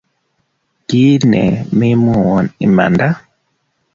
Kiine menwawon imanda?